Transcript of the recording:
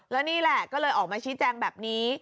แล้วนี่แหละก็เลยออกมาชี้แจงแบบนี้